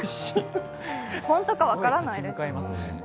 ホントか分からないです。